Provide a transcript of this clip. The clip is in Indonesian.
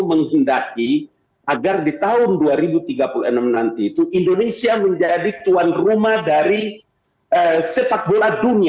menghendaki agar di tahun dua ribu tiga puluh enam nanti itu indonesia menjadi tuan rumah dari sepak bola dunia